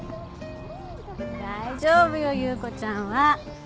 大丈夫よ優子ちゃんは。